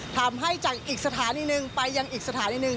ทำให้จากอีกสถานีหนึ่งไปยังอีกสถานีหนึ่ง